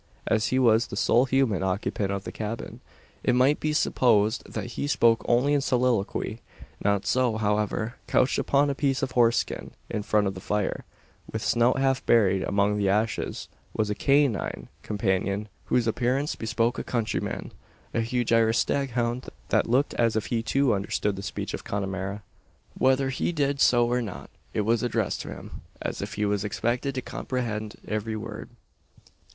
As he was the sole human occupant of the cabin, it might be supposed that he spoke only in soliloquy. Not so, however. Couched upon a piece of horse skin, in front of the fire, with snout half buried among the ashes, was a canine companion, whose appearance bespoke a countryman a huge Irish staghound, that looked as if he too understood the speech of Connemara. Whether he did so or not, it was addressed to him, as if he was expected to comprehend every word.